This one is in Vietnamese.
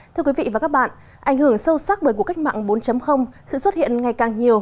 thưa quý vị và các bạn ảnh hưởng sâu sắc bởi cuộc cách mạng bốn sự xuất hiện ngày càng nhiều